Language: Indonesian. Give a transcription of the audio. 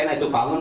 nah itu pahun